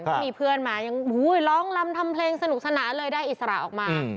ก็มีเพื่อนมายังร้องลำทำเพลงสนุกสนานเลยได้อิสระออกมา